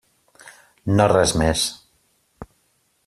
No res més.